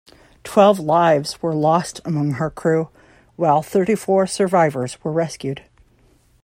Twelve lives were lost among her crew, while thirty-four survivors were rescued.